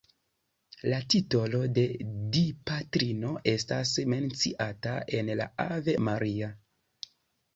La titolo de Dipatrino estas menciata en la Ave Maria.